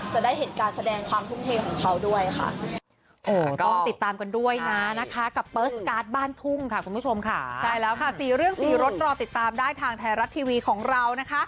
จะได้เห็นการแสดงความทุ่มเทของเขาด้วยค่ะ